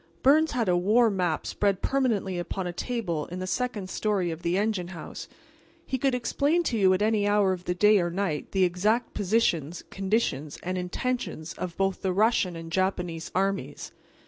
Byrnes had a war map spread permanently upon a table in the second story of the engine house, and he could explain to you at any hour of the day or night the exact positions, conditions and intentions of both the Russian and Japanese armies.